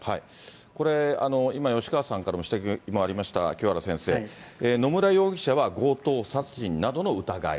これ、今、吉川さんからも指摘もありましたが、清原先生、野村容疑者は強盗殺人などの疑い。